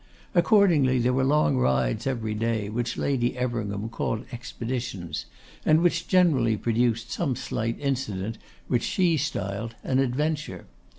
Accordingly, there were long rides every day, which Lady Everingham called expeditions, and which generally produced some slight incident which she styled an adventure.